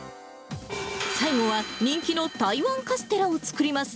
最後は、人気の台湾カステラを作ります。